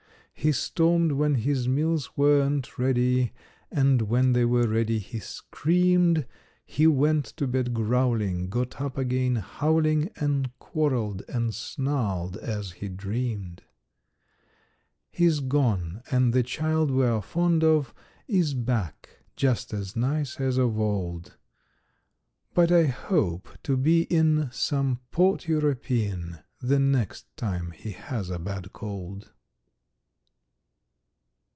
He stormed when his meals weren't ready, And when they were ready, he screamed. He went to bed growling, got up again howling And quarreled and snarled as he dreamed. He's gone, and the child we are fond of Is back, just as nice as of old. But I hope to be in some port European The next time he has a bad cold.